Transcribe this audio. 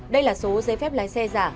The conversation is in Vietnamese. đây là số giấy phép lái xe giả